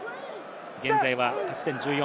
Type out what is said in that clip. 現在は勝ち点１４。